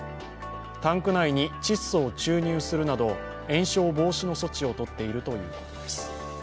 タンク内に窒素を注入するなど延焼防止の措置をとっているということです。